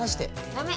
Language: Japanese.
ダメ！